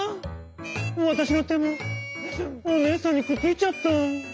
わたしのてもおねえさんにくっついちゃった！」。